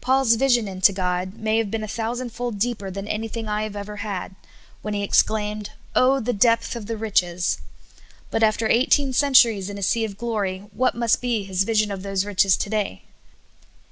Paul's vision into God ma}' have been a thousand fold deeper than anything I ever had, when he exclaimed, "Oh, the depth of the riches!" But IN DKKPKR DEGRKES. 65 after eighteen centuries in a sea of glory, what must be his vision of those riches to day